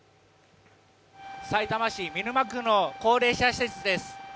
さいたま市見沼区の高齢者施設です。